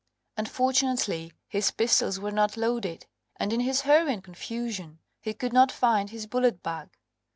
Unfortunately his pistols were not loaded, and in his hurry and confusion he could not find his bullet bag.